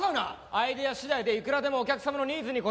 アイデア次第でいくらでもお客様のニーズに応えられるんだよ。